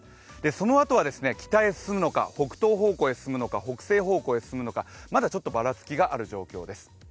そのあとは北へ進むのか北東方向へ進むのか、北西方向に進むのか、まだちょっとばらつきがある状況です。